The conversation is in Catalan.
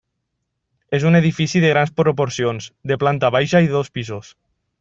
És un edifici de grans proporcions, de planta baixa i dos pisos.